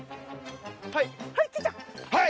はい！